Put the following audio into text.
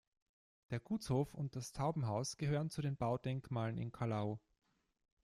Der Gutshof und das Taubenhaus gehören zu den Baudenkmalen in Calau.